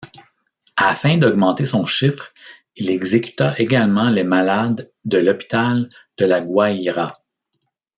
Afin d'augmenter son chiffre, il exécuta également les malades de l'hôpital de La Guaira.